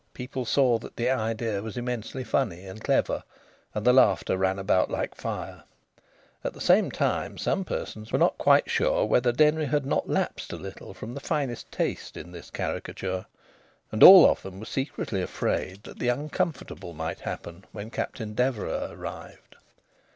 People saw that the idea was immensely funny and clever, and the laughter ran about like fire. At the same time some persons were not quite sure whether Denry had not lapsed a little from the finest taste in this caricature. And all of them were secretly afraid that the uncomfortable might happen when Captain Deverax arrived.